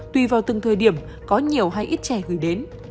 tùy vào từng thời điểm có nhiều hay ít trẻ gửi đến